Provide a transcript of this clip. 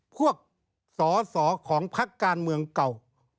พวกสอสอของพักการเมืองเก่า